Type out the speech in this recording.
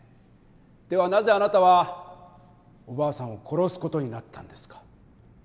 ではなぜあなたはおばあさんを殺す事になったんですか？